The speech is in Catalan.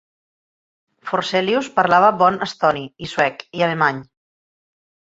Forselius parlava bon estoni i suec i alemany.